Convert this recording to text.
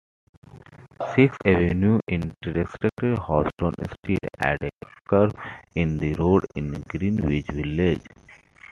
Sixth Avenue intersects Houston Street at a curve in the road in Greenwich Village.